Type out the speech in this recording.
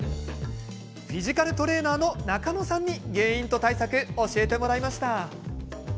フィジカルトレーナーの中野さんに原因と対策教えてもらいました。